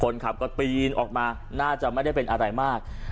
คนขับก็ปีนออกมาน่าจะไม่ได้เป็นอะไรมาก